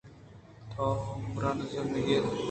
تو برانز مہ گِر